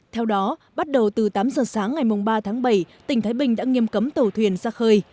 theo đó bắt đầu từ tám giờ sáng ngày ba tháng bảy tỉnh thái bình đã nghiêm cấm tàu thuyền ra khơi